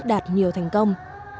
đạt nhiều thành công